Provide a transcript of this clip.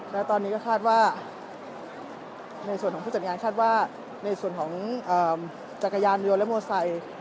และตอนนี้ก็คาดว่าในส่วนของผู้จัดงานคาดว่าในส่วนของจักรยานยนต์และมอไซค์